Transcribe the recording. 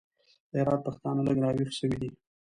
د هرات پښتانه لږ راوېښ سوي دي.